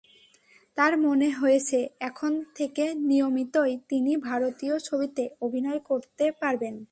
তাঁর মনে হয়েছে, এখন থেকে নিয়মিতই তিনি ভারতীয় ছবিতে অভিনয় করতে পারবেন।